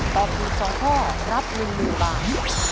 ตอบถูก๒ข้อรับ๑หนึ่งบาท